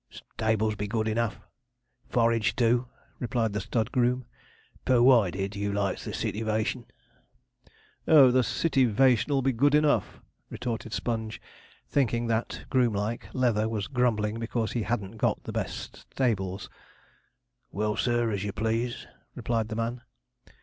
'Stables be good enough forage, too,' replied the stud groom 'per wided you likes the sittivation.' 'Oh, the sittivation 'll be good enough,' retorted Sponge, thinking that, groom like, Leather was grumbling because he hadn't got the best stables. 'Well, sir, as you please,' replied the man.